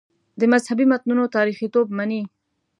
د مذهبي متنونو تاریخیتوب مني.